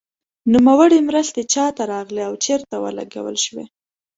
نوموړې مرستې چا ته راغلې او چیرته ولګول شوې.